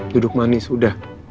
duduk manis udah